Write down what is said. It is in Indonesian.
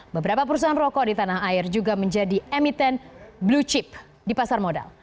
beberapa perusahaan rokok di tanah air juga menjadi emiten blue chip di pasar modal